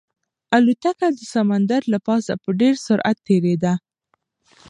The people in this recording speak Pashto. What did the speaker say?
الوتکه د سمندر له پاسه په ډېر سرعت تېرېده.